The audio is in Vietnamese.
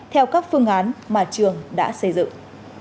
theo các phương án mà trường đã xây dựng